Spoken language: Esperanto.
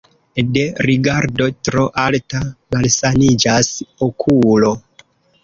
De rigardo tro alta malsaniĝas okulo.